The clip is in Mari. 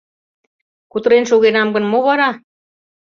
Кутырен шогенам гын, мо вара?